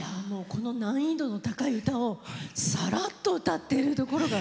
この難易度の高い歌をさらっと歌ってるところが。